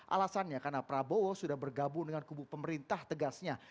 alasannya karena prabowo sudah bergabung dengan kubu pemerintah tegasnya